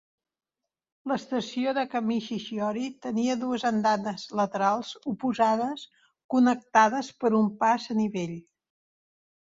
L'estació de Kamishishiori tenia dues andanes laterals oposades connectades per un pas a nivell.